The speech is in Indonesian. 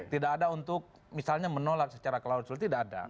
tidak ada untuk misalnya menolak secara klausul tidak ada